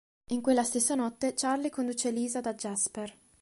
In quella stessa notte, Charlie conduce Eliza da Jasper.